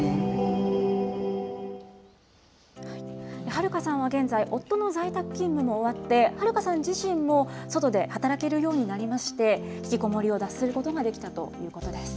はるかさんは現在、夫の在宅勤務も終わって、はるかさん自身も外で働けるようになりまして、引きこもりを脱することができたということです。